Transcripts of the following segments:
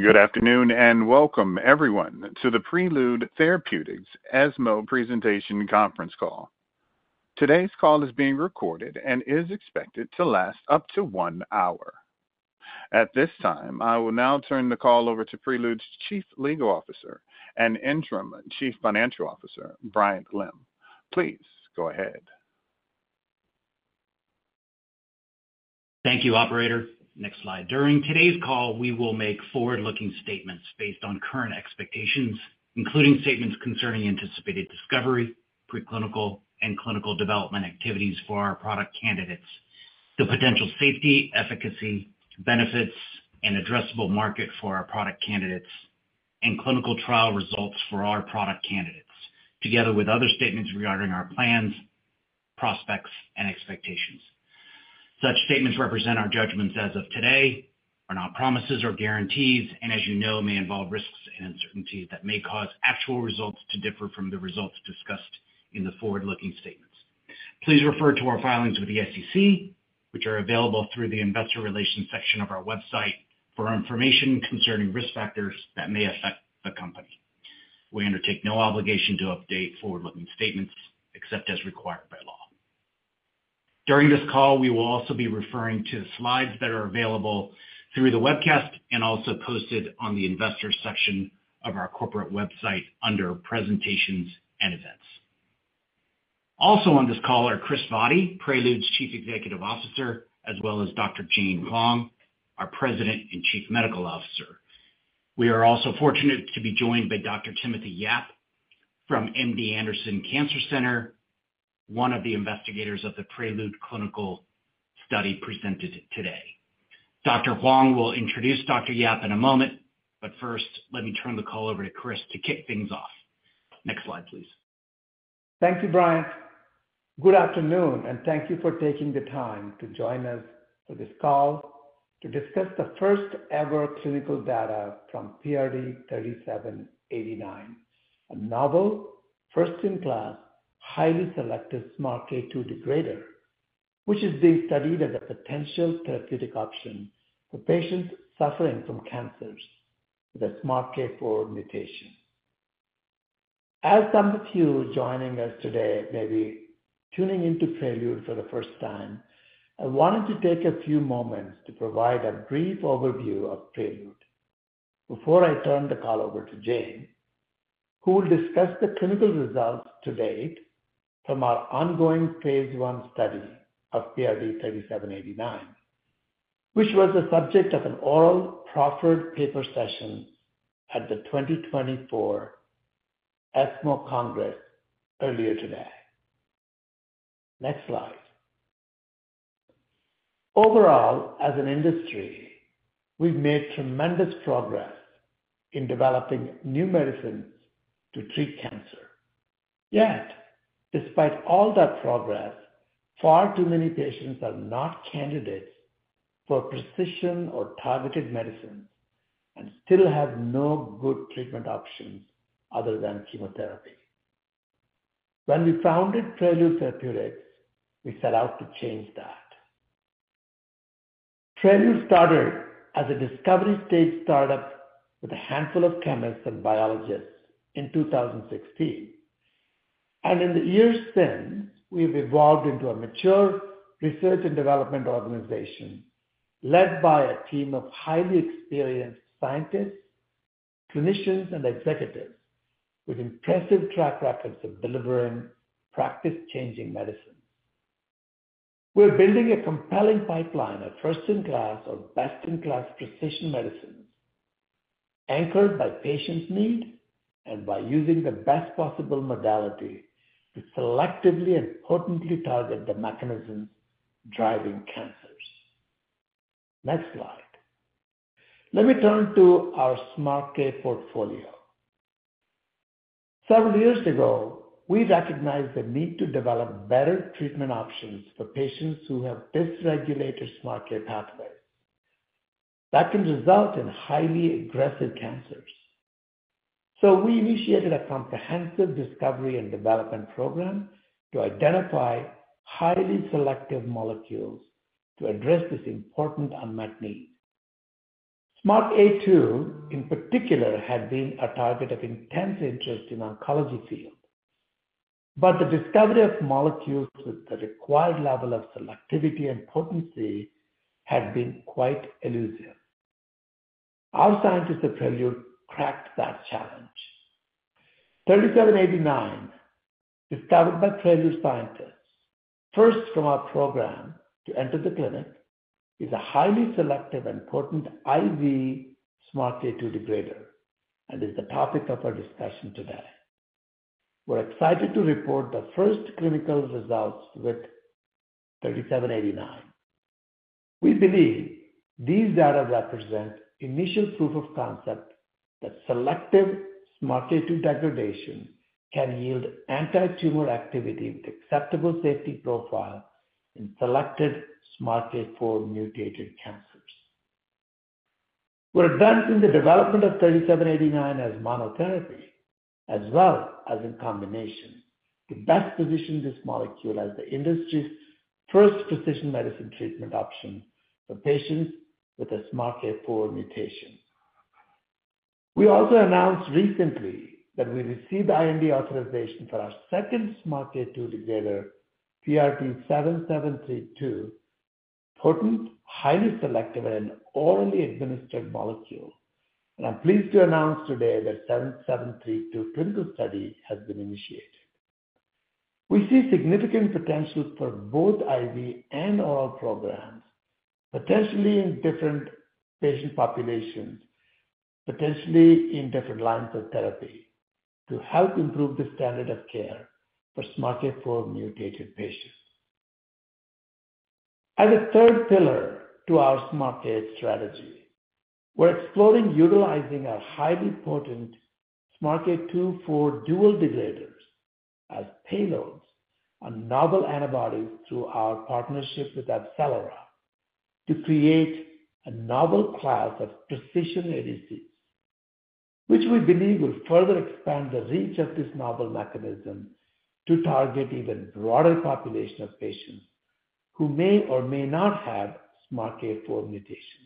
Good afternoon, and welcome everyone to the Prelude Therapeutics ESMO Presentation Conference Call. Today's call is being recorded and is expected to last up to one hour. At this time, I will now turn the call over to Prelude's Chief Legal Officer and Interim Chief Financial Officer, Bryant Lim. Please go ahead. Thank you, operator. Next slide. During today's call, we will make forward-looking statements based on current expectations, including statements concerning anticipated discovery, preclinical, and clinical development activities for our product candidates, the potential safety, efficacy, benefits, and addressable market for our product candidates, and clinical trial results for our product candidates, together with other statements regarding our plans, prospects, and expectations. Such statements represent our judgments as of today, are not promises or guarantees, and as you know, may involve risks and uncertainties that may cause actual results to differ from the results discussed in the forward-looking statements. Please refer to our filings with the SEC, which are available through the investor relations section of our website for information concerning risk factors that may affect the company. We undertake no obligation to update forward-looking statements except as required by law. During this call, we will also be referring to slides that are available through the webcast and also posted on the investor section of our corporate website under presentations and events. Also on this call are Kris Vaddi, Prelude's Chief Executive Officer, as well as Dr. Jane Huang, our President and Chief Medical Officer. We are also fortunate to be joined by Dr. Timothy Yap from MD Anderson Cancer Center, one of the investigators of the Prelude clinical study presented today. Dr. Hwang will introduce Dr. Yap in a moment, but first, let me turn the call over to Kris to kick things off. Next slide, please. Thank you, Bryant. Good afternoon, and thank you for taking the time to join us for this call to discuss the first-ever clinical data from PRT3789, a novel, first-in-class, highly selective SMARCA2 degrader, which is being studied as a potential therapeutic option for patients suffering from cancers with the SMARCA4 mutation. As some of you joining us today may be tuning into Prelude for the first time, I wanted to take a few moments to provide a brief overview of Prelude before I turn the call over to Jane, who will discuss the clinical results to date from our ongoing phase one study of PRT3789, which was the subject of an oral proffered paper session at the 2024 ESMO Congress earlier today. Next slide. Overall, as an industry, we've made tremendous progress in developing new medicines to treat cancer. Yet, despite all that progress, far too many patients are not candidates for precision or targeted medicines and still have no good treatment options other than chemotherapy. When we founded Prelude Therapeutics, we set out to change that. Prelude started as a discovery-stage start-up with a handful of chemists and biologists in 2016, and in the years since, we've evolved into a mature research and development organization led by a team of highly experienced scientists, clinicians, and executives with impressive track records of delivering practice-changing medicines. We're building a compelling pipeline of first-in-class or best-in-class precision medicines, anchored by patients' need and by using the best possible modality to selectively and potently target the mechanisms driving cancers. Next slide. Let me turn to our SMARCA portfolio. Several years ago, we recognized the need to develop better treatment options for patients who have dysregulated SMARCA pathways. That can result in highly aggressive cancers. So we initiated a comprehensive discovery and development program to identify highly selective molecules to address this important unmet need. SMARCA2, in particular, had been a target of intense interest in oncology field, but the discovery of molecules with the required level of selectivity and potency had been quite elusive. Our scientists at Prelude cracked that challenge. 3789, discovered by Prelude scientists, first from our program to enter the clinic, is a highly selective and potent IV SMARCA2 degrader and is the topic of our discussion today. We're excited to report the first clinical results with 3789. We believe these data represent initial proof of concept that selective SMARCA2 degradation can yield antitumor activity with acceptable safety profile in selected SMARCA4 mutated cancers. We're advancing the development of thirty-seven eighty-nine as monotherapy-... as well as in combination, to best position this molecule as the industry's first precision medicine treatment option for patients with a SMARCA4 mutation. We also announced recently that we received IND authorization for our second SMARCA2 regulator, PRT7732, potent, highly selective, and orally administered molecule. And I'm pleased to announce today that PRT7732 clinical study has been initiated. We see significant potential for both IV and oral programs, potentially in different patient populations, potentially in different lines of therapy, to help improve the standard of care for SMARCA4 mutated patients. As a third pillar to our SMARCA4 strategy, we're exploring utilizing a highly potent SMARCA2/4 dual degraders as payloads on novel antibodies through our partnership with AbCellera, to create a novel class of precision ADCs, which we believe will further expand the reach of this novel mechanism to target even broader population of patients who may or may not have SMARCA4 mutation.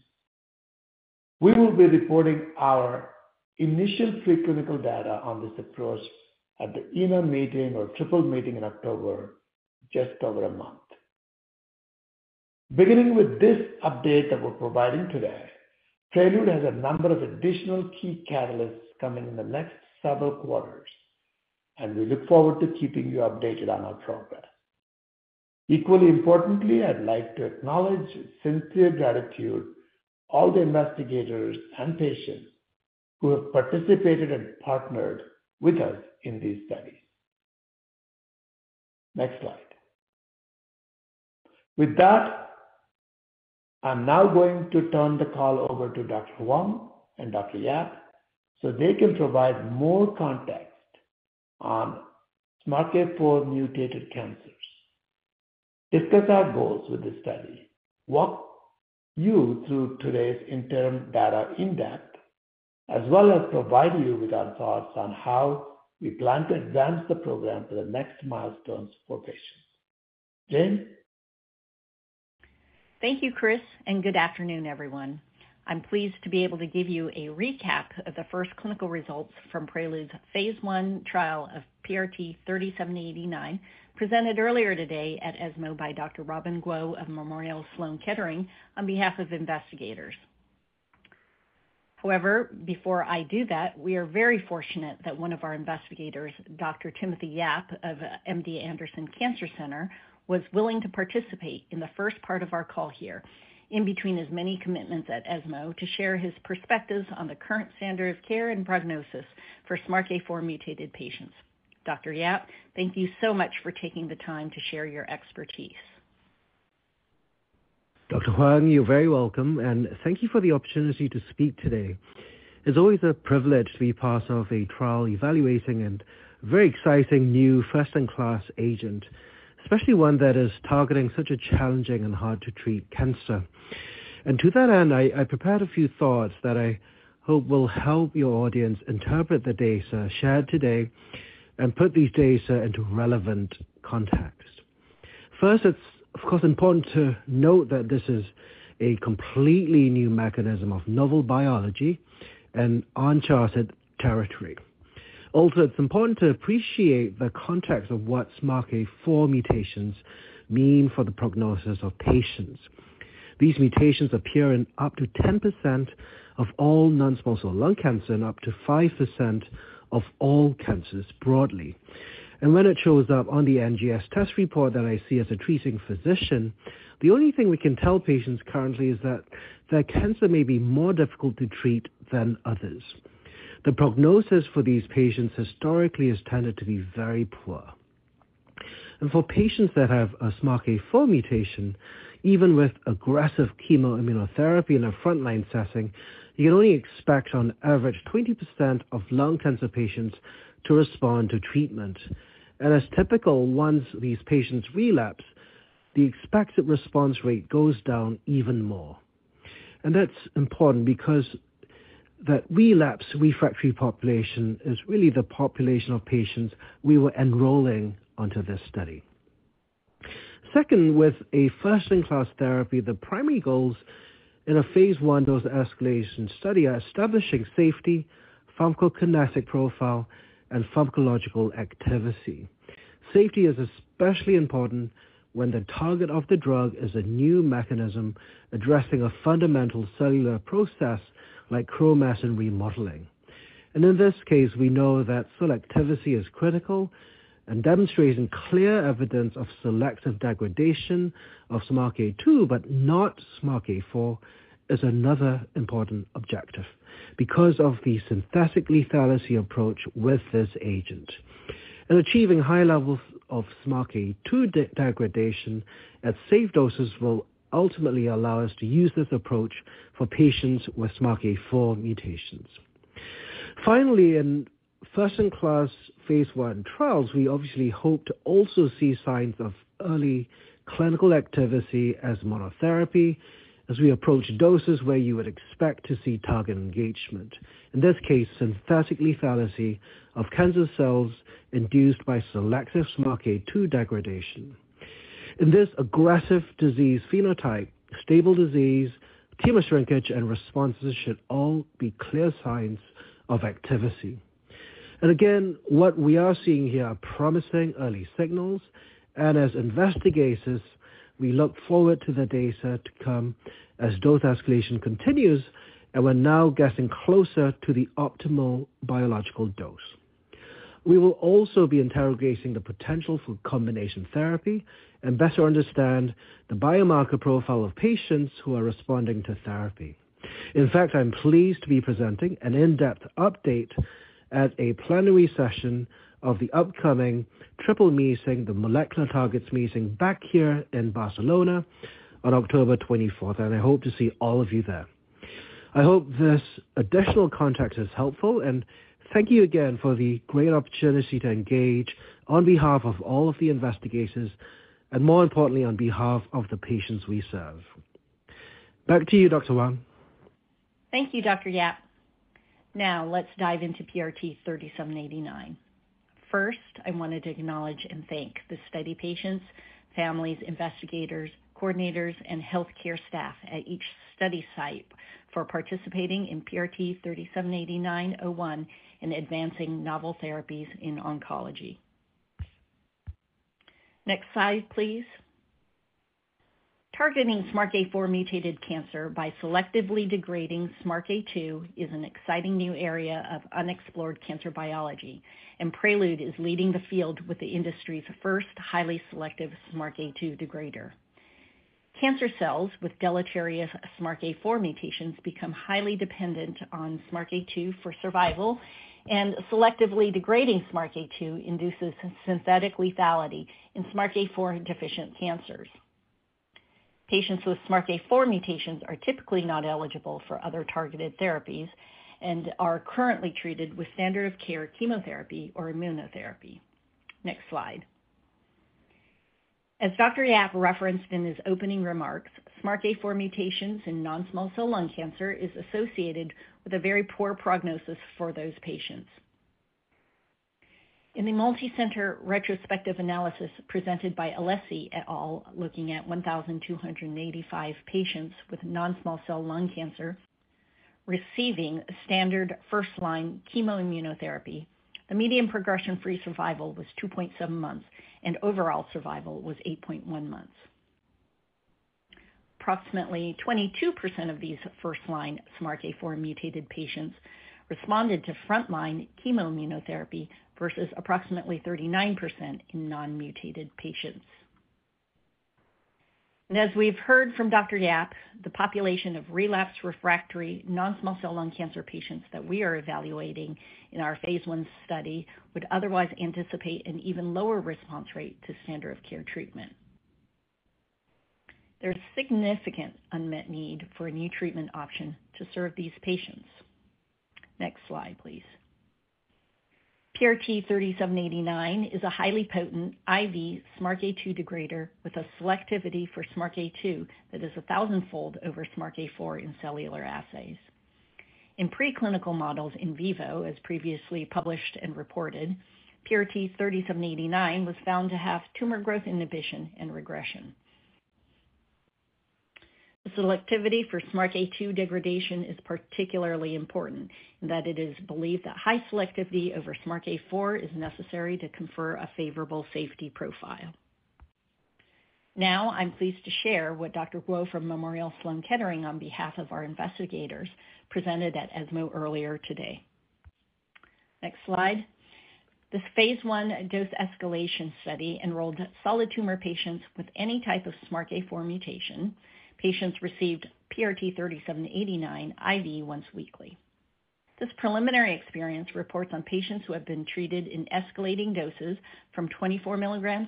We will be reporting our initial preclinical data on this approach at the EORTC meeting or triple meeting in October, just over a month. Beginning with this update that we're providing today, Prelude has a number of additional key catalysts coming in the next several quarters, and we look forward to keeping you updated on our progress. Equally importantly, I'd like to acknowledge sincere gratitude, all the investigators and patients who have participated and partnered with us in these studies. Next slide. With that, I'm now going to turn the call over to Dr. Huang and Dr. Yap, so they can provide more context on SMARCA4 mutated cancers, discuss our goals with the study, walk you through today's interim data in-depth, as well as provide you with our thoughts on how we plan to advance the program to the next milestones for patients. Jane? Thank you, Chris, and good afternoon, everyone. I'm pleased to be able to give you a recap of the first clinical results from Prelude's Phase I trial of PRT3789, presented earlier today at ESMO by Dr. Robin Guo of Memorial Sloan Kettering, on behalf of investigators. However, before I do that, we are very fortunate that one of our investigators, Dr. Timothy Yap of MD Anderson Cancer Center, was willing to participate in the first part of our call here, in between his many commitments at ESMO, to share his perspectives on the current standard of care and prognosis for SMARCA4 mutated patients. Dr. Yap, thank you so much for taking the time to share your expertise. Dr. Huang, you're very welcome, and thank you for the opportunity to speak today. It's always a privilege to be part of a trial evaluating and very exciting new first-in-class agent, especially one that is targeting such a challenging and hard-to-treat cancer. And to that end, I prepared a few thoughts that I hope will help your audience interpret the data shared today and put these data into relevant context. First, it's, of course, important to note that this is a completely new mechanism of novel biology and uncharted territory. Also, it's important to appreciate the context of what SMARCA4 mutations mean for the prognosis of patients. These mutations appear in up to 10% of all non-small cell lung cancer and up to 5% of all cancers broadly. When it shows up on the NGS test report that I see as a treating physician, the only thing we can tell patients currently is that their cancer may be more difficult to treat than others. The prognosis for these patients historically has tended to be very poor. For patients that have a SMARCA4 mutation, even with aggressive chemoimmunotherapy in a frontline setting, you can only expect on average 20% of lung cancer patients to respond to treatment. As typical, once these patients relapse, the expected response rate goes down even more. That's important because that relapse refractory population is really the population of patients we were enrolling onto this study. Second, with a first-in-class therapy, the primary goals in a phase one dose-escalation study are establishing safety, pharmacokinetic profile, and pharmacodynamic activity. Safety is especially important when the target of the drug is a new mechanism addressing a fundamental cellular process like chromatin remodeling. In this case, we know that selectivity is critical, and demonstrating clear evidence of selective degradation of SMARCA2, but not SMARCA4, is another important objective because of the synthetic lethality approach with this agent. Achieving high levels of SMARCA2 degradation at safe doses will ultimately allow us to use this approach for patients with SMARCA4 mutations. Finally, in first-in-class Phase I trials, we obviously hope to also see signs of early clinical activity as monotherapy, as we approach doses where you would expect to see target engagement. In this case, synthetic lethality of cancer cells induced by selective SMARCA2 degradation. In this aggressive disease phenotype, stable disease, tumor shrinkage, and responses should all be clear signs of activity. And again, what we are seeing here are promising early signals, and as investigators, we look forward to the data to come as dose escalation continues, and we're now getting closer to the optimal biological dose. We will also be interrogating the potential for combination therapy and better understand the biomarker profile of patients who are responding to therapy. In fact, I'm pleased to be presenting an in-depth update at a plenary session of the upcoming triple meeting, the Molecular Targets Meeting, back here in Barcelona on October 2024, and I hope to see all of you there. I hope this additional context is helpful, and thank you again for the great opportunity to engage on behalf of all of the investigators and, more importantly, on behalf of the patients we serve. Back to you, Dr. Huang. Thank you, Dr. Yap. Now, let's dive into PRT3789. First, I wanted to acknowledge and thank the study patients, families, investigators, coordinators, and healthcare staff at each study site for participating in PRT3789-01 and advancing novel therapies in oncology. Next slide, please. Targeting SMARCA4 mutated cancer by selectively degrading SMARCA2 is an exciting new area of unexplored cancer biology, and Prelude is leading the field with the industry's first highly selective SMARCA2 degrader. Cancer cells with deleterious SMARCA4 mutations become highly dependent on SMARCA2 for survival, and selectively degrading SMARCA2 induces synthetic lethality in SMARCA4 deficient cancers. Patients with SMARCA4 mutations are typically not eligible for other targeted therapies and are currently treated with standard of care chemotherapy or immunotherapy. Next slide. As Dr. Yap referenced in his opening remarks, SMARCA4 mutations in non-small cell lung cancer is associated with a very poor prognosis for those patients. In the multicenter retrospective analysis presented by Alessi et al., looking at 1,285 patients with non-small cell lung cancer receiving standard first-line chemoimmunotherapy, the median progression-free survival was 2.7 months, and overall survival was 8.1 months. Approximately 22% of these first-line SMARCA4 mutated patients responded to frontline chemoimmunotherapy versus approximately 39% in non-mutated patients. And as we've heard from Dr. Yap, the population of relapsed refractory non-small cell lung cancer patients that we are evaluating in our phase I study would otherwise anticipate an even lower response rate to standard of care treatment. There's significant unmet need for a new treatment option to serve these patients. Next slide, please. PRT3789 is a highly potent IV SMARCA2 degrader with a selectivity for SMARCA2 that is 1,000-fold over SMARCA4 in cellular assays. In preclinical models, in vivo, as previously published and reported, PRT3789 was found to have tumor growth inhibition and regression. The selectivity for SMARCA2 degradation is particularly important, in that it is believed that high selectivity over SMARCA4 is necessary to confer a favorable safety profile. Now, I'm pleased to share what Dr. Guo from Memorial Sloan Kettering, on behalf of our investigators, presented at ESMO earlier today. Next slide. This Phase I dose escalation study enrolled solid tumor patients with any type of SMARCA4 mutation. Patients received PRT3789 IV once weekly. This preliminary experience reports on patients who have been treated in escalating doses from 24-376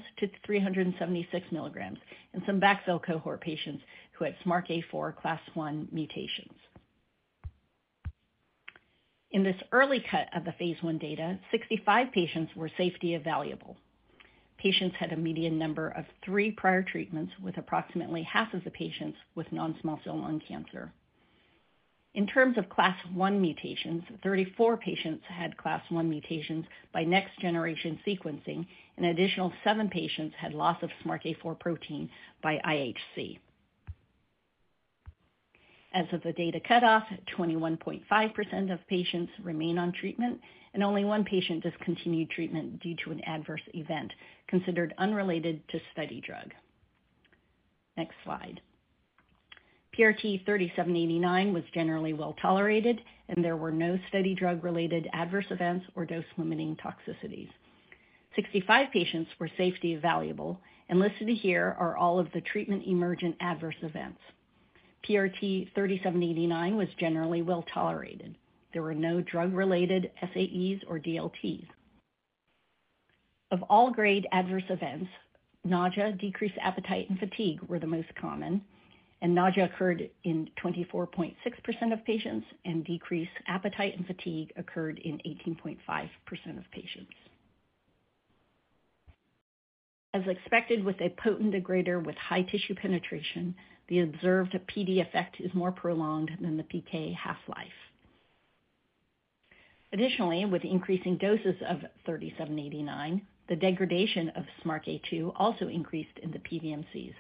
mg, and some backfill cohort patients who had SMARCA4 Class 1 mutations. In this early cut of the phase I data, 65 patients were safety evaluable. Patients had a median number of 3 prior treatments, with approximately half of the patients with non-small cell lung cancer. In terms of Class 1 mutations, 34 patients had Class 1 mutations by next-generation sequencing, an additional 7 patients had loss of SMARCA4 protein by IHC. As of the data cutoff, 21.5% of patients remain on treatment, and only 1 patient discontinued treatment due to an adverse event considered unrelated to study drug. Next slide. PRT3789 was generally well tolerated, and there were no study drug-related adverse events or dose-limiting toxicities. 65 patients were safety evaluable, and listed here are all of the treatment emergent adverse events. PRT3789 was generally well tolerated. There were no drug-related SAEs or DLTs.... Of all grade adverse events, nausea, decreased appetite, and fatigue were the most common, and nausea occurred in 24.6% of patients, and decreased appetite and fatigue occurred in 18.5% of patients. As expected, with a potent degrader with high tissue penetration, the observed PD effect is more prolonged than the PK half-life. Additionally, with increasing doses of PRT3789, the degradation of SMARCA2 also increased in the PBMCs,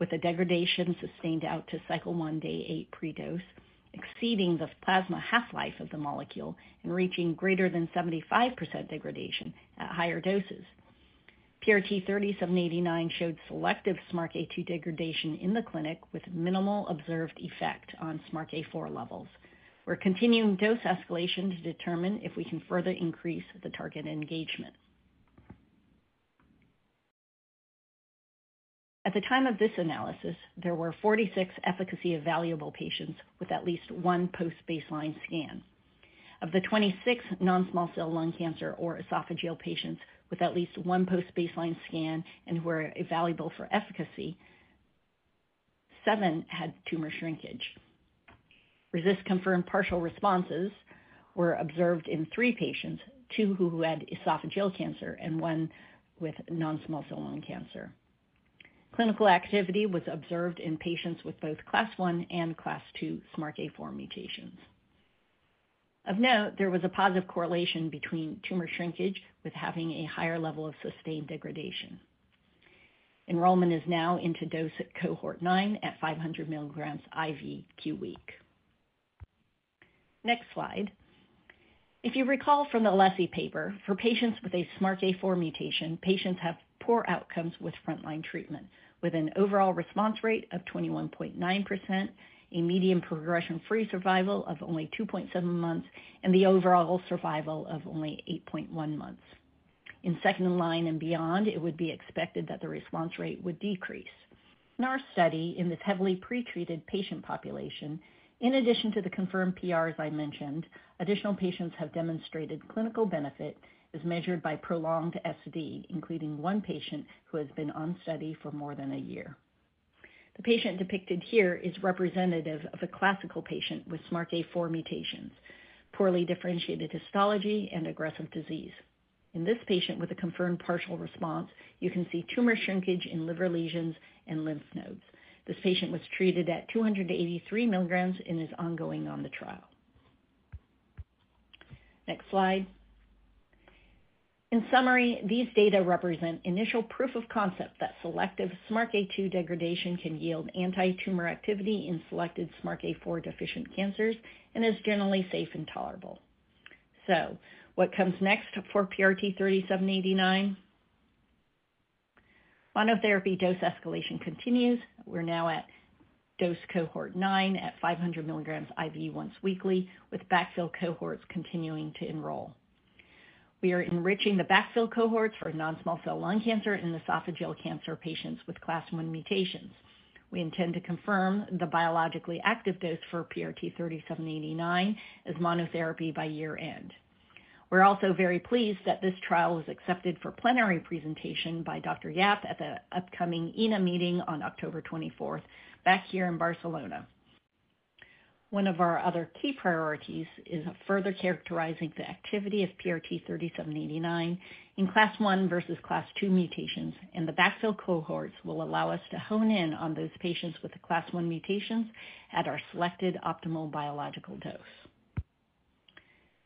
with a degradation sustained out to cycle 1, day 8 pre-dose, exceeding the plasma half-life of the molecule and reaching greater than 75% degradation at higher doses. PRT3789 showed selective SMARCA2 degradation in the clinic, with minimal observed effect on SMARCA4 levels. We're continuing dose escalation to determine if we can further increase the target engagement. At the time of this analysis, there were 46 efficacy evaluable patients with at least one post-baseline scan. Of the 26 non-small cell lung cancer or esophageal patients with at least one post-baseline scan and were evaluable for efficacy, seven had tumor shrinkage. RECIST-confirmed partial responses were observed in three patients, two who had esophageal cancer and one with non-small cell lung cancer. Clinical activity was observed in patients with both Class 1 and Class 2 SMARCA4 mutations. Of note, there was a positive correlation between tumor shrinkage with having a higher level of sustained degradation. Enrollment is now into dose cohort 9 at 500 mg IV Q week. Next slide. If you recall from the Alessi paper, for patients with a SMARCA4 mutation, patients have poor outcomes with frontline treatment, with an overall response rate of 21.9%, a median progression-free survival of only 2.7 months, and the overall survival of only 8.1 months. In second-line and beyond, it would be expected that the response rate would decrease. In our study, in this heavily pretreated patient population, in addition to the confirmed PR, as I mentioned, additional patients have demonstrated clinical benefit as measured by prolonged SD, including one patient who has been on study for more than a year. The patient depicted here is representative of a classical patient with SMARCA4 mutations, poorly differentiated histology, and aggressive disease. In this patient with a confirmed partial response, you can see tumor shrinkage in liver lesions and lymph nodes. This patient was treated at 283 mg and is ongoing on the trial. Next slide. In summary, these data represent initial proof of concept that selective SMARCA2 degradation can yield antitumor activity in selected SMARCA4-deficient cancers and is generally safe and tolerable. So what comes next for PRT3789? Monotherapy dose escalation continues. We're now at dose Cohort 9 at 500 mg IV once weekly, with backfill cohorts continuing to enroll. We are enriching the backfill cohorts for non-small cell lung cancer in esophageal cancer patients with Class 1 mutations. We intend to confirm the biologically active dose for PRT3789 as monotherapy by year-end. We're also very pleased that this trial was accepted for plenary presentation by Dr. Yap at the upcoming EORTC-NCI-AACR Symposium on October 24th, back here in Barcelona. One of our other key priorities is further characterizing the activity of PRT3789 in Class 1/2 mutations, and the backfill cohorts will allow us to hone in on those patients with the Class 1 mutations at our selected optimal biological dose.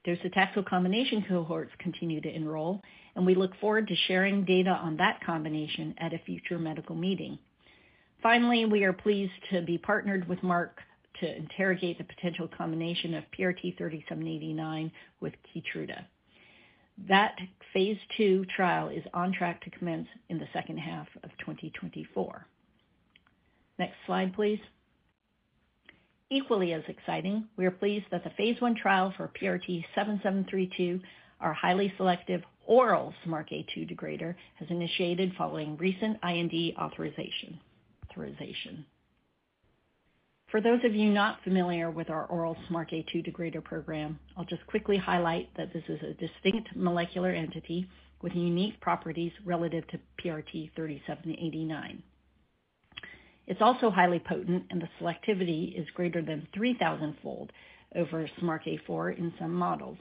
Docetaxel combination cohorts continue to enroll, and we look forward to sharing data on that combination at a future medical meeting. Finally, we are pleased to be partnered with Merck to interrogate the potential combination of PRT3789 with Keytruda. That phase II trial is on track to commence in the second half of 2024. Next slide, please. Equally as exciting, we are pleased that the Phase I trial for PRT7732, our highly selective oral SMARCA2 degrader, has initiated following recent IND authorization. For those of you not familiar with our oral SMARCA2 degrader program, I'll just quickly highlight that this is a distinct molecular entity with unique properties relative to PRT3789. It's also highly potent, and the selectivity is greater than 3,000-fold over SMARCA4 in some models.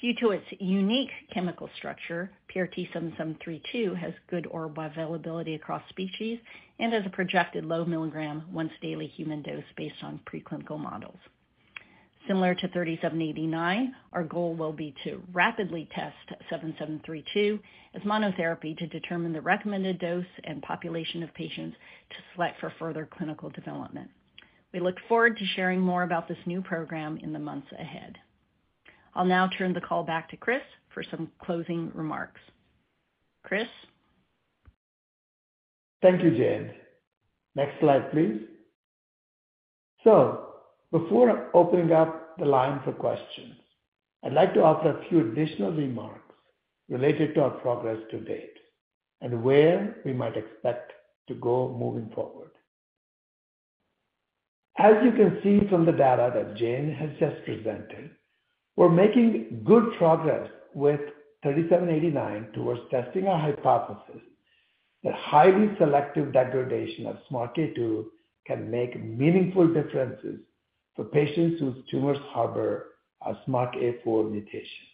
Due to its unique chemical structure, PRT7732 has good oral bioavailability across species and has a projected low milligram once daily human dose based on preclinical models. Similar to PRT3789, our goal will be to rapidly test PRT7732 as monotherapy to determine the recommended dose and population of patients to select for further clinical development. We look forward to sharing more about this new program in the months ahead. I'll now turn the call back to Chris for some closing remarks. Chris? Thank you, Jane. Next slide, please. So before opening up the line for questions, I'd like to offer a few additional remarks related to our progress to date and where we might expect to go moving forward. As you can see from the data that Jane has just presented, we're making good progress with PRT3789 towards testing our hypothesis that highly selective degradation of SMARCA2 can make meaningful differences for patients whose tumors harbor a SMARCA4 mutation.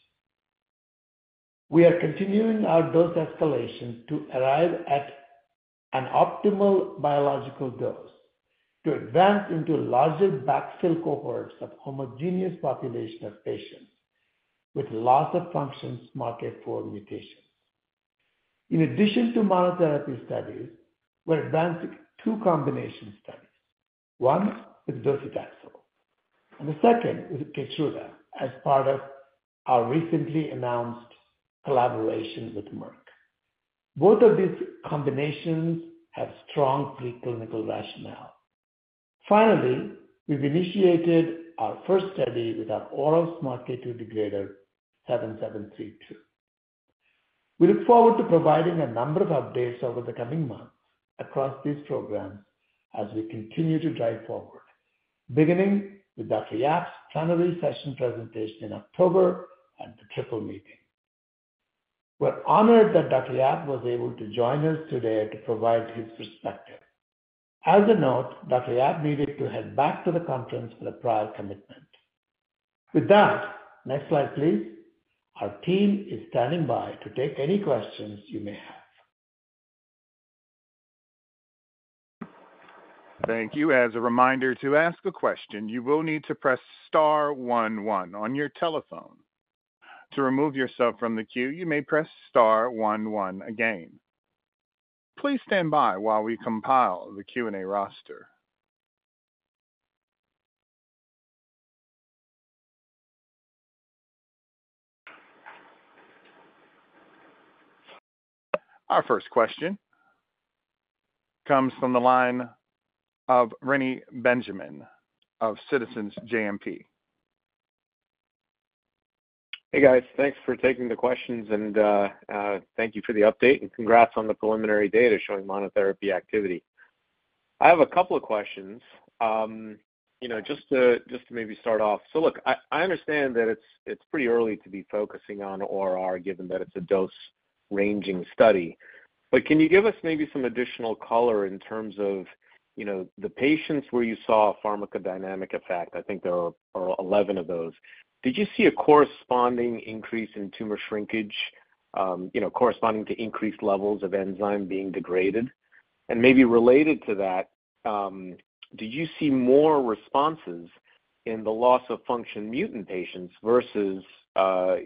We are continuing our dose escalation to arrive at an optimal biological dose to advance into larger backfill cohorts of homogeneous population of patients with loss-of-function SMARCA4 mutations. In addition to monotherapy studies, we're advancing two combination studies, one with docetaxel and the second with Keytruda as part of our recently announced collaboration with Merck. Both of these combinations have strong preclinical rationale. Finally, we've initiated our first study with our oral SMARCA2 degrader, seven seven three two. We look forward to providing a number of updates over the coming months across these programs as we continue to drive forward, beginning with Dr. Yap's plenary session presentation in October at the Triple Meeting. We're honored that Dr. Yap was able to join us today to provide his perspective. As a note, Dr. Yap needed to head back to the conference for the prior commitment. With that, next slide, please. Our team is standing by to take any questions you may have. Thank you. As a reminder, to ask a question, you will need to press star one one on your telephone. To remove yourself from the queue, you may press star one one again. Please stand by while we compile the Q&A roster. Our first question comes from the line of Reni Benjamin of Citizens JMP. Hey, guys. Thanks for taking the questions, and thank you for the update and congrats on the preliminary data showing monotherapy activity. I have a couple of questions. You know, just to maybe start off, so look, I understand that it's pretty early to be focusing on ORR, given that it's a dose-ranging study. But can you give us maybe some additional color in terms of, you know, the patients where you saw a pharmacodynamic effect? I think there are 11 of those. Did you see a corresponding increase in tumor shrinkage, you know, corresponding to increased levels of enzyme being degraded? And maybe related to that, did you see more responses in the loss-of-function mutant patients versus,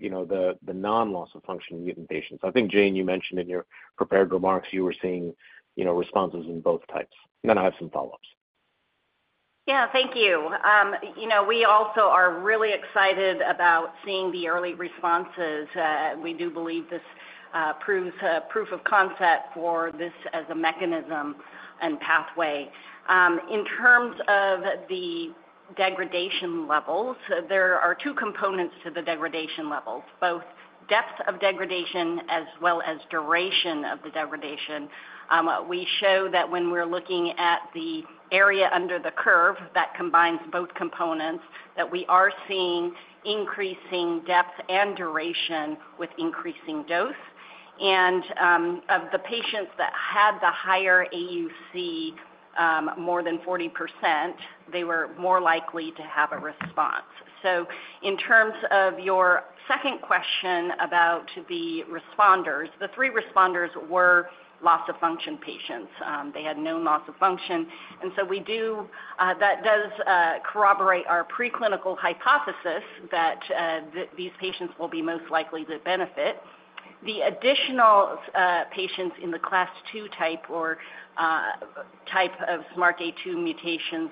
you know, the non-loss-of-function mutant patients? I think, Jane, you mentioned in your prepared remarks you were seeing, you know, responses in both types. Then I have some follow-ups. Yeah, thank you. You know, we also are really excited about seeing the early responses. We do believe this proves a proof of concept for this as a mechanism and pathway. In terms of the degradation levels, there are two components to the degradation levels, both depth of degradation as well as duration of the degradation. We show that when we're looking at the area under the curve, that combines both components, that we are seeing increasing depth and duration with increasing dose. Of the patients that had the higher AUC, more than 40%, they were more likely to have a response. In terms of your second question about the responders, the three responders were loss of function patients. They had known loss of function, and so that does corroborate our preclinical hypothesis that these patients will be most likely to benefit. The additional patients in the Class 2 type, or type of SMARCA2 mutations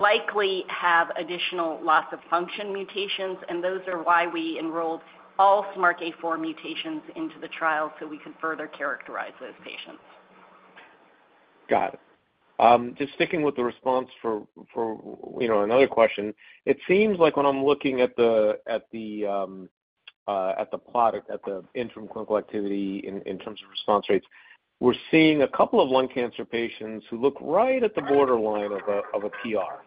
likely have additional loss of function mutations, and those are why we enrolled all SMARCA4 mutations into the trial so we could further characterize those patients. Got it. Just sticking with the response for, you know, another question. It seems like when I'm looking at the plot, at the interim clinical activity in terms of response rates, we're seeing a couple of lung cancer patients who look right at the borderline of a PR.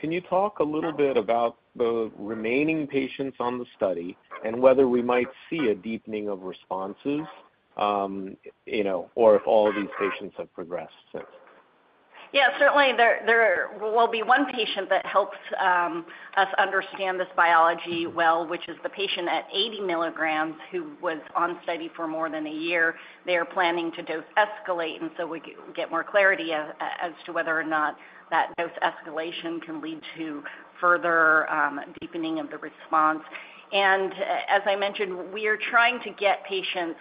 Can you talk a little bit about the remaining patients on the study and whether we might see a deepening of responses, you know, or if all these patients have progressed since? Yeah, certainly there, there will be one patient that helps us understand this biology well, which is the patient at 80 milligrams, who was on study for more than a year. They are planning to dose escalate, and so we get more clarity as to whether or not that dose escalation can lead to further deepening of the response. And as I mentioned, we are trying to get patients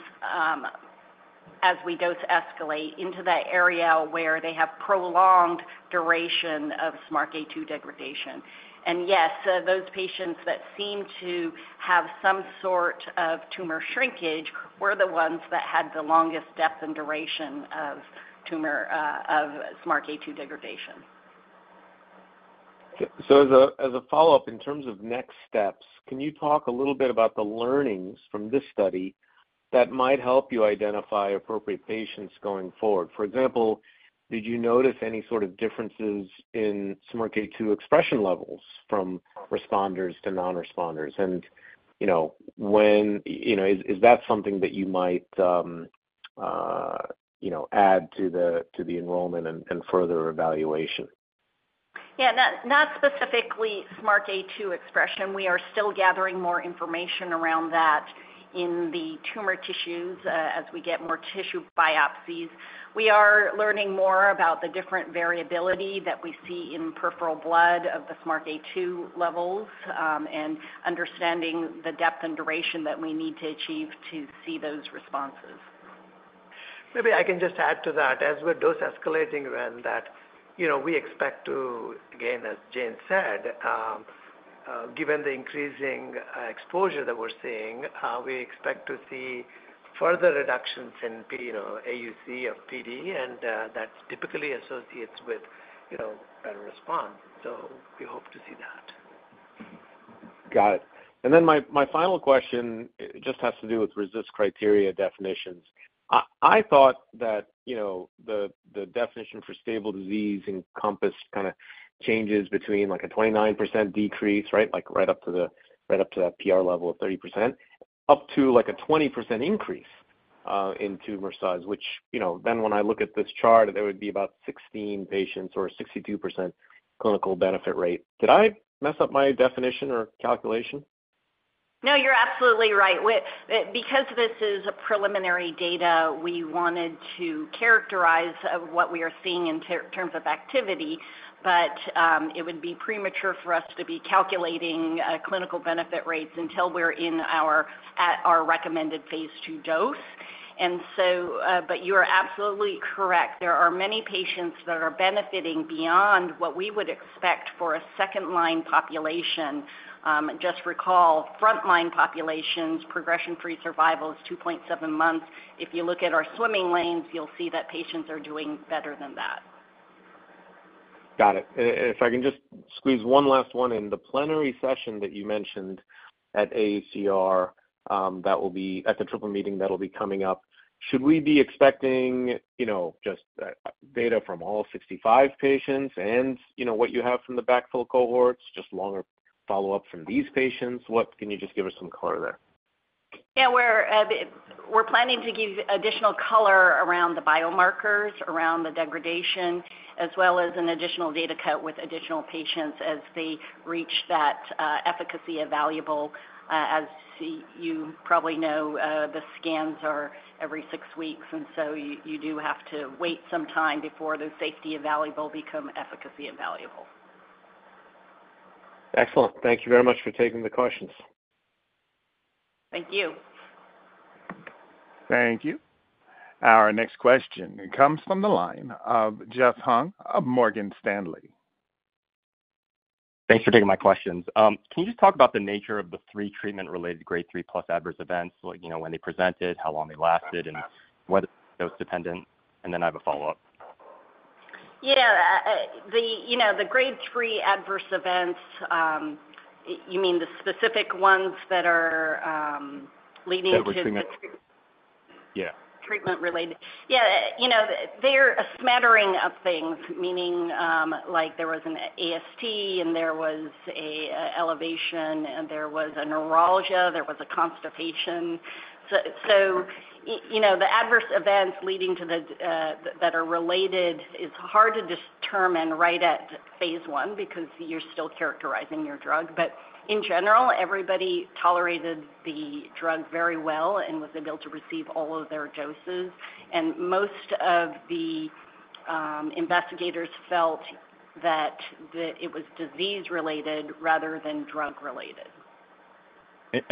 as we dose escalate into that area where they have prolonged duration of SMARCA2 degradation. And yes, those patients that seem to have some sort of tumor shrinkage were the ones that had the longest depth and duration of tumor of SMARCA2 degradation. So as a follow-up, in terms of next steps, can you talk a little bit about the learnings from this study that might help you identify appropriate patients going forward? For example, did you notice any sort of differences in SMARCA2 expression levels from responders to non-responders? And, you know, when, you know, is that something that you might, you know, add to the enrollment and further evaluation? Yeah, not, not specifically SMARCA2 expression. We are still gathering more information around that in the tumor tissues, as we get more tissue biopsies. We are learning more about the different variability that we see in peripheral blood of the SMARCA2 levels, and understanding the depth and duration that we need to achieve to see those responses. Maybe I can just add to that. As with dose escalating, then that, you know, we expect to, again, as Jane said, given the increasing exposure that we're seeing, we expect to see further reductions in PD, you know, AUC of PD, and, that's typically associates with, you know, better response. So we hope to see that. Got it. And then my final question just has to do with RECIST criteria definitions. I thought that, you know, the definition for stable disease encompassed kind of changes between, like, a 29% decrease, right? Like, right up to the, right up to that PR level of 30%, up to, like, a 20% increase in tumor size, which, you know, then when I look at this chart, there would be about 16 patients or 62% clinical benefit rate. Did I mess up my definition or calculation? No, you're absolutely right. Because this is preliminary data, we wanted to characterize what we are seeing in terms of activity, but it would be premature for us to be calculating clinical benefit rates until we're at our recommended phase II dose, and so but you are absolutely correct. There are many patients that are benefiting beyond what we would expect for a second-line population. Just recall, front-line populations, progression-free survival is 2.7 months. If you look at our swim lanes, you'll see that patients are doing better than that. Got it. And if I can just squeeze one last one. In the plenary session that you mentioned at AACR, that will be at the triple meeting that'll be coming up, should we be expecting, you know, just data from all 65 patients and, you know, what you have from the backfill cohorts, just longer follow-up from these patients? What can you just give us some color there? Yeah, we're planning to give additional color around the biomarkers, around the degradation, as well as an additional data cut with additional patients as they reach that, efficacy evaluable. As you probably know, the scans are every six weeks, and so you do have to wait some time before the safety evaluable become efficacy evaluable. Excellent. Thank you very much for taking the questions. Thank you. Thank you. Our next question comes from the line of Jeff Hung of Morgan Stanley. Thanks for taking my questions. Can you just talk about the nature of the three treatment-related grade three plus adverse events? Like, you know, when they presented, how long they lasted, and whether it was dose dependent, and then I have a follow-up. Yeah, you know, the Grade 3 adverse events, you mean the specific ones that are leading to- Everything that... Yeah. Treatment-related? Yeah, you know, they're a smattering of things, meaning, like, there was an AST and there was an elevation, there was a neuralgia, there was a constipation. So, you know, the adverse events leading to that are related. It's hard to determine right at phase one because you're still characterizing your drug. But in general, everybody tolerated the drug very well and was able to receive all of their doses. And most of the investigators felt that it was disease-related rather than drug-related.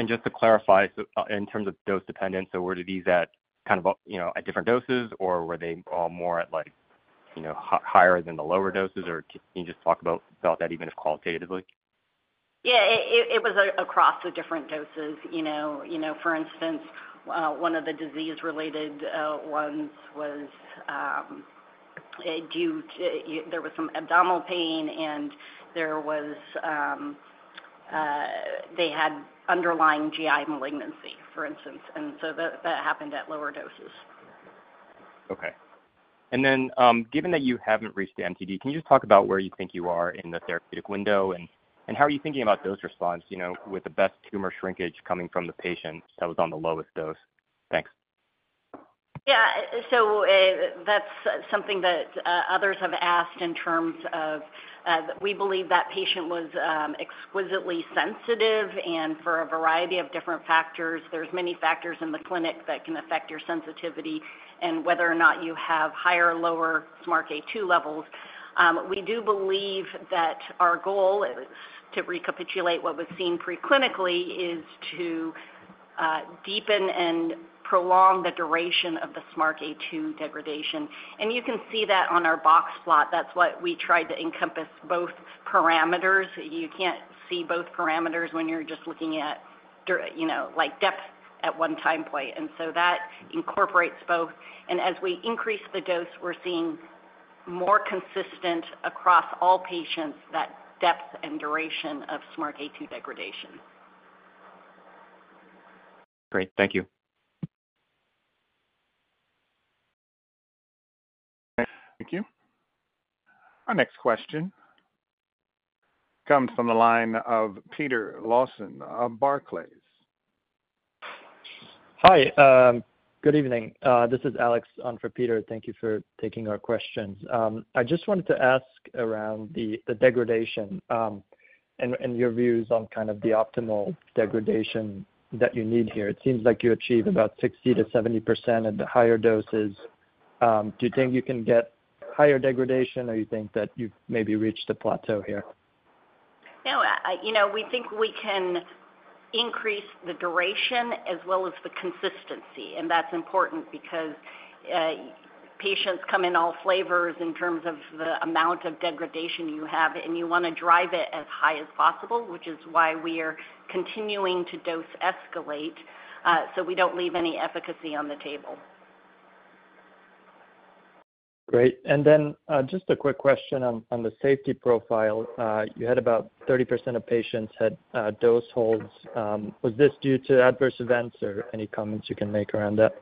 Just to clarify, so in terms of dose dependence, so were these at kind of, you know, at different doses, or were they all more at like, you know, higher than the lower doses? Or can you just talk about that, even if qualitatively? Yeah, it was across the different doses. You know, for instance, one of the disease-related ones was due to... There was some abdominal pain, and they had underlying GI malignancy, for instance, and so that happened at lower doses. Okay. And then, given that you haven't reached the MTD, can you just talk about where you think you are in the therapeutic window, and how are you thinking about dose response, you know, with the best tumor shrinkage coming from the patient that was on the lowest dose? Thanks. Yeah, so, that's something that others have asked in terms of, we believe that patient was exquisitely sensitive, and for a variety of different factors, there's many factors in the clinic that can affect your sensitivity and whether or not you have higher or lower SMARCA2 levels. We do believe that our goal is to recapitulate what was seen preclinically, is to deepen and prolong the duration of the SMARCA2 degradation. And you can see that on our box plot. That's what we tried to encompass both parameters. You can't see both parameters when you're just looking at you know, like, depth at one time point, and so that incorporates both. And as we increase the dose, we're seeing more consistent across all patients, that depth and duration of SMARCA2 degradation. Great. Thank you. Thank you. Our next question comes from the line of Peter Lawson of Barclays. Hi, good evening. This is Alex on for Peter. Thank you for taking our questions. I just wanted to ask around the degradation and your views on kind of the optimal degradation that you need here. It seems like you achieve about 60%-70% at the higher doses. Do you think you can get higher degradation, or you think that you've maybe reached a plateau here? No, you know, we think we can increase the duration as well as the consistency, and that's important because patients come in all flavors in terms of the amount of degradation you have, and you wanna drive it as high as possible, which is why we are continuing to dose escalate, so we don't leave any efficacy on the table. Great. And then, just a quick question on the safety profile. You had about 30% of patients had dose holds. Was this due to adverse events or any comments you can make around that?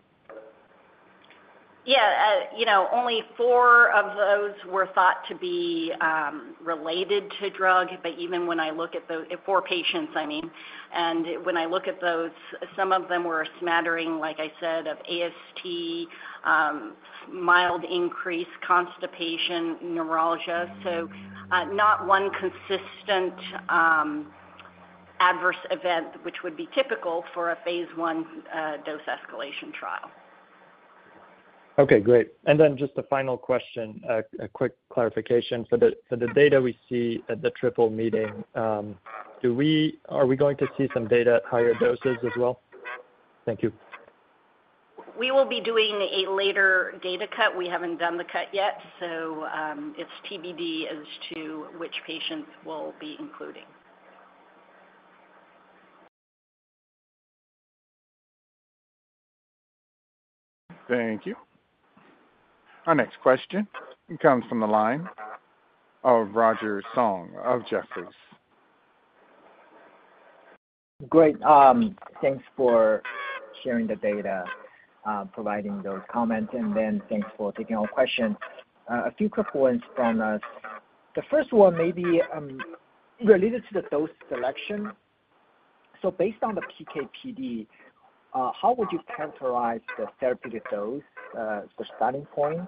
Yeah, you know, only four of those were thought to be related to drug, but even when I look at those four patients, I mean, and when I look at those, some of them were a smattering, like I said, of AST, mild increase constipation, neuralgia, so, not one consistent adverse event, which would be typical for a phase one dose escalation trial. Okay, great. And then just a final question, a quick clarification. For the data we see at the Triple Meeting, are we going to see some data at higher doses as well? Thank you. We will be doing a later data cut. We haven't done the cut yet, so, it's TBD as to which patients we'll be including. Thank you. Our next question comes from the line of Roger Song of Jefferies. Great. Thanks for sharing the data, providing those comments, and then thanks for taking our questions. A few quick ones from us. The first one may be related to the dose selection. So based on the PK/PD, how would you characterize the therapeutic dose, the starting point?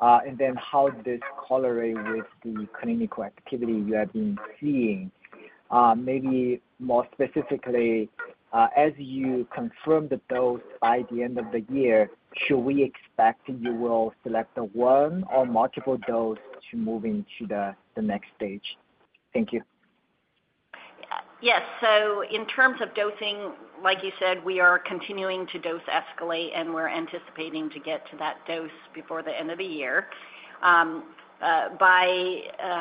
And then how does this correlate with the clinical activity you have been seeing? Maybe more specifically, as you confirm the dose by the end of the year, should we expect you will select the one or multiple dose to moving to the next stage? Thank you. Yes. So in terms of dosing, like you said, we are continuing to dose escalate, and we're anticipating to get to that dose before the end of the year. By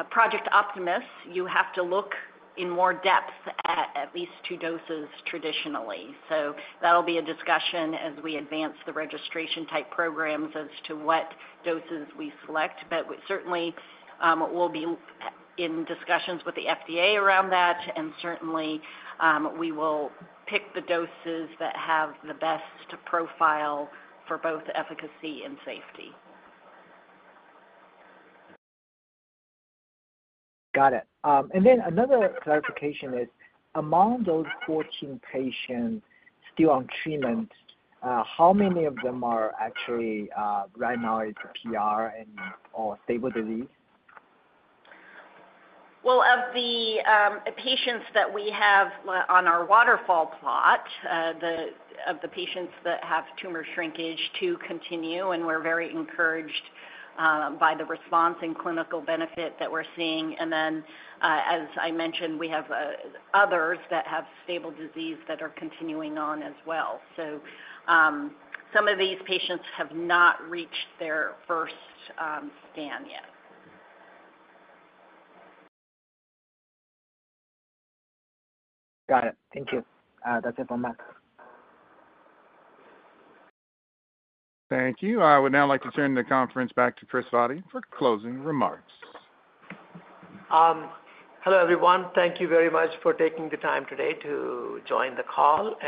Project Optimus, you have to look in more depth at least two doses traditionally. So that'll be a discussion as we advance the registration type programs as to what doses we select. But we certainly will be in discussions with the FDA around that, and certainly we will pick the doses that have the best profile for both efficacy and safety. Got it. And then another clarification is: Among those fourteen patients still on treatment, how many of them are actually, right now it's PR and or stable disease? Of the patients that we have on our waterfall plot, the patients that have tumor shrinkage to continue, and we're very encouraged by the response and clinical benefit that we're seeing. As I mentioned, we have others that have stable disease that are continuing on as well. Some of these patients have not reached their first scan yet. Got it. Thank you. That's it from us. Thank you. I would now like to turn the conference back to Kris Vaddi for closing remarks. Hello, everyone. Thank you very much for taking the time today to join the call.